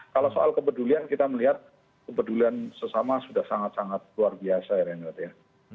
kalau soal kepedulian kita melihat kepedulian sesama sudah sangat sangat luar biasa ya renat ya